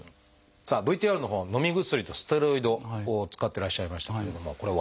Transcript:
さあＶＴＲのほうはのみ薬とステロイドを使ってらっしゃいましたけれどもこれは？